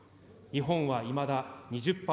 日本はいまだ２０％。